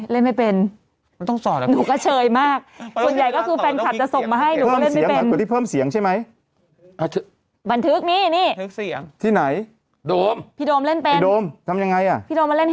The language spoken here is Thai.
เล่นไม่เป็นด้วยเล่นเล่นเป็นหรอไม่เป็นหนูก็ไม่มีเล่นไม่เป็น